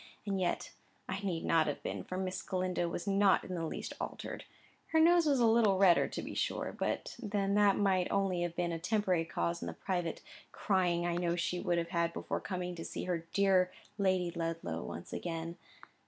And yet I need not have been, for Miss Galindo was not in the least altered (her nose a little redder, to be sure, but then that might only have had a temporary cause in the private crying I know she would have had before coming to see her dear Lady Ludlow once again).